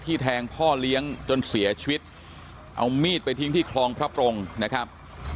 แทงพ่อเลี้ยงจนเสียชีวิตเอามีดไปทิ้งที่คลองพระปรงนะครับ